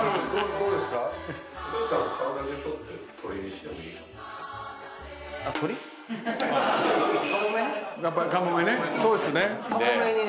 そうですね。